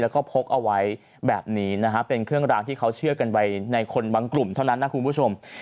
แล้วก็พกเอาไว้แบบนี้นะฮะเป็นเครื่องรางที่เขาเชื่อกันไว้ในคนบางกลุ่มเท่านั้นนะคุณผู้ชม